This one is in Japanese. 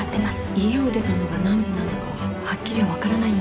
家を出たのが何時なのかははっきり分からないんです